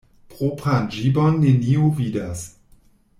Propran ĝibon neniu vidas.